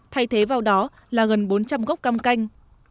thay thế vào đó là gần bốn trăm linh gốc cam canh